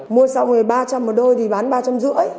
mua xong rồi ba trăm linh một đôi thì bán ba trăm năm mươi